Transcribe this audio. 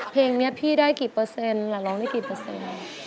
เพลงนี้พี่ได้กี่เปอร์เซ็นต์ล่ะร้องได้กี่เปอร์เซ็นต์